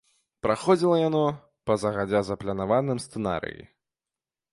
Праходзіла яно па загадзя запланаваным сцэнарыі.